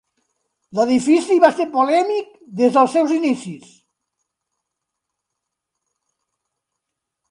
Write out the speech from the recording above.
L'edifici va ser polèmic des dels seus inicis.